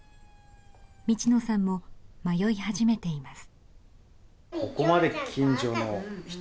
道野さんも迷い始めています。